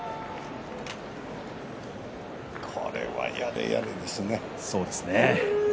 これはやれやれですね。